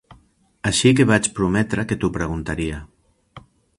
Així que vaig prometre que t'ho preguntaria.